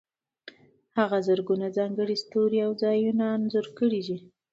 هغه زرګونه ځانګړي ستوري او ځایونه انځور کړي دي.